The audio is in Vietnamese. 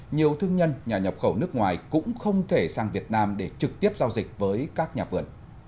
nhiều thương nhân nhà nhập khẩu nước ngoài cũng không thể sang việt nam để trực tiếp giao dịch với các nhà vườn